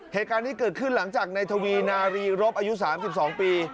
เหตุการณ์นี้เกิดขึ้นหลังจากในทวีนารีรบอายุ๓๒ปี